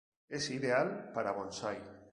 Es ideal para bonsái.